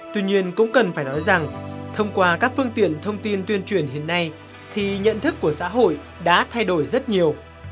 tuy nhiên cũng cần phải nói rằng thông qua các phương tiện thông tin tuyên truyền hiện nay thì nhận thức của xã hội đã thay đổi rất nhiều